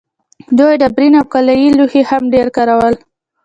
دوی ډبرین او کلالي لوښي هم ډېر کارول.